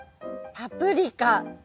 パプリカ。